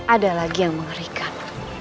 ada lagi yang mengerikan